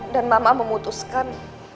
dan mama memutuskan